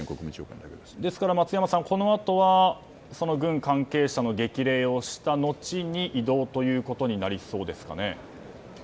松山さん、このあとは軍関係者の激励をしたのちに移動ということになりそうですかね。